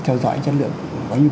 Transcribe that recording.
theo dõi chất lượng có nhiệm vụ